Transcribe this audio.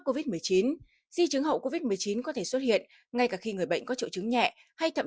covid một mươi chín di chứng hậu covid một mươi chín có thể xuất hiện ngay cả khi người bệnh có triệu chứng nhẹ hay thậm